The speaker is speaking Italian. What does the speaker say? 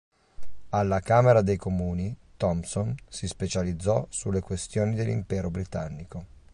Alla Camera dei Comuni Thomson si specializzò sulle questioni dell'impero britannico.